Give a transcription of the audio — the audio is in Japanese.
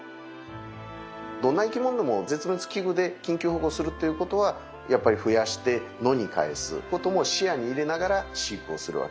どんな生き物でも絶滅危惧で緊急保護するっていうことはやっぱり増やして野に帰すことも視野に入れながら飼育をするわけで。